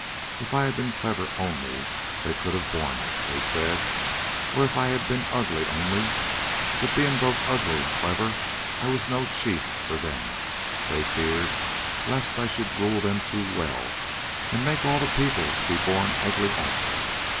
If I had been clever only, they could have borne it, they said, or if I had been ugly only, but being both ugly and clever I was no chief for them. They feared lest I should rule them too well and make all the people to be born ugly also.